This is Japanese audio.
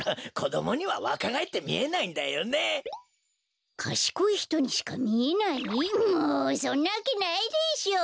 もうそんなわけないでしょ。